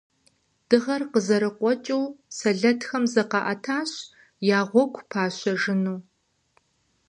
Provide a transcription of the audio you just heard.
Дыгъэр къызэрыкъуэкӏыу, сэлэтхэм заӏэтащ я гъуэгу пащэжыну.